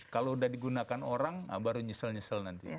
kalau udah digunakan orang baru nyesel nyesel nanti